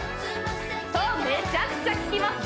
そうめちゃくちゃききます